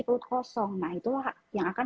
perut kosong nah itulah yang akan